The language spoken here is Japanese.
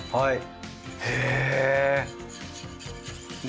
はい。